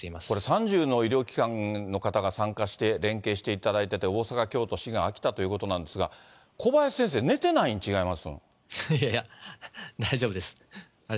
これ、３０の医療機関の方が参加して、連携していただいてて、大阪、京都、滋賀、秋田ということなんですが、小林先生、いやいや、大丈夫です。